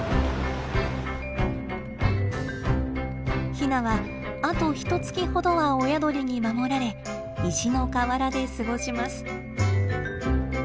ヒナはあとひとつきほどは親鳥に守られ石の河原で過ごします。